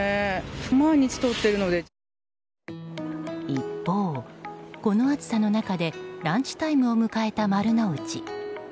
一方、この暑さの中でランチタイムを迎えた丸の内。